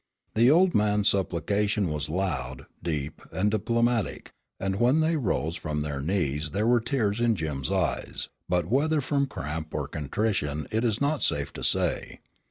The old man's supplication was loud, deep, and diplomatic, and when they arose from their knees there were tears in Jim's eyes, but whether from cramp or contrition it is not safe to say.